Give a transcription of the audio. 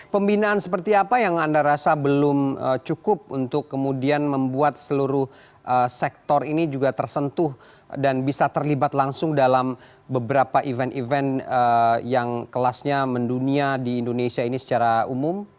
pembinaan seperti apa yang anda rasa belum cukup untuk kemudian membuat seluruh sektor ini juga tersentuh dan bisa terlibat langsung dalam beberapa event event yang kelasnya mendunia di indonesia ini secara umum